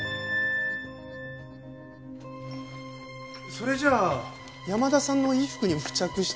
それじゃあ山田さんの衣服に付着していた